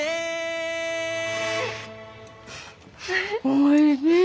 おいしい！